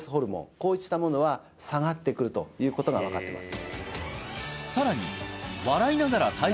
こうしたものは下がってくるということが分かってます